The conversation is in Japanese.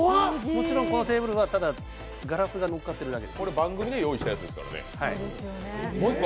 もちろん、このテーブルはガラスがのっかってるだけ。